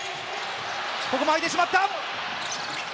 ここもあいてしまった！